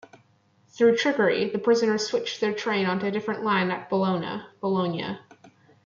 Through trickery, the prisoners switch their train onto a different line at Bologna.